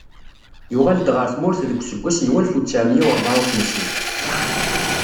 Yuɣal-d ɣer tmurt deg useggas n walef u tesεemya u rebεa u xemsin.